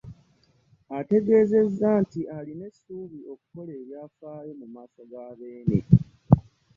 Ategeezezza nti alina essuubi okukola ebyafaayo mu maaso ga Beene